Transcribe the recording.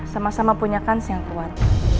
sama sama punyakan siang kuat